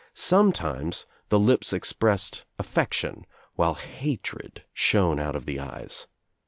Sometimes the lips expressed affection while hatred shone out of the eyes.